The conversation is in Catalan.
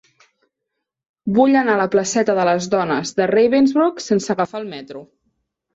Vull anar a la placeta de les Dones de Ravensbrück sense agafar el metro.